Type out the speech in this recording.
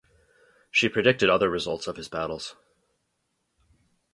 She predicted other results of his battles.